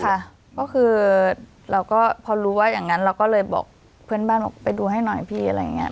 ก็คือเราก็พอรู้ว่าอย่างนั้นเราก็เลยบอกเพื่อนบ้านบอกไปดูให้หน่อยพี่อะไรอย่างเงี้